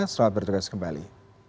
selamat bertugas kembali